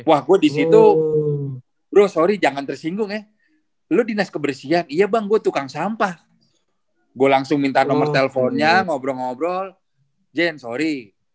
wah gue disitu bro sorry jangan tersinggung ya lo dinas kebersihan iya bang gue tukang sampah gue langsung minta nomor teleponnya ngobrol ngobrol jen sorry